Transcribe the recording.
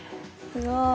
すごい。